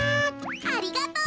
ありがとう。